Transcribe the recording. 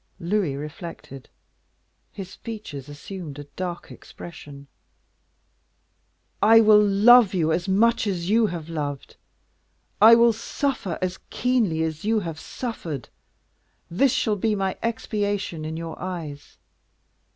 Louis reflected; his features assumed a dark expression. "I will love you as much as you have loved; I will suffer as keenly as you have suffered; this shall be my expiation in your eyes.